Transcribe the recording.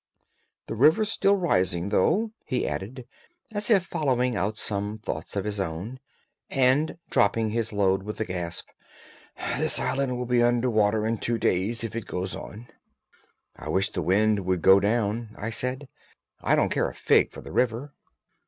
"The river's still rising, though," he added, as if following out some thoughts of his own, and dropping his load with a gasp. "This island will be under water in two days if it goes on." "I wish the wind would go down," I said. "I don't care a fig for the river."